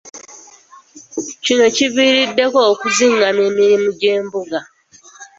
Kino kiviiriddeko okuzingamya emirimu gy'embuga.